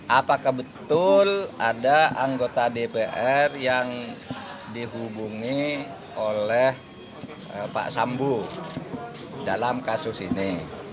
apakah betul ada anggota dpr yang dihubungi oleh pak sambu dalam kasus ini